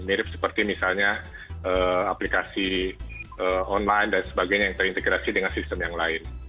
mirip seperti misalnya aplikasi online dan sebagainya yang terintegrasi dengan sistem yang lain